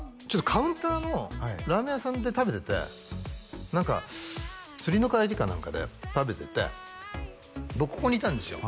カウンターのラーメン屋さんで食べてて何か釣りの帰りか何かで食べてて僕ここにいたんですよ